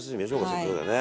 せっかくだからね。